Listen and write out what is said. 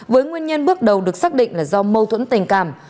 với nguyên nhân bước đầu được xác định là do mâu thuẫn tình cảm